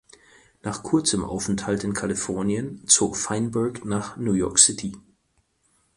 Nach kurzem Aufenthalt in Kalifornien zog Feinberg nach New York City.